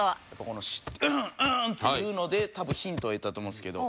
この「ンー！ンー！」っていうので多分ヒントを得たと思うんですけど。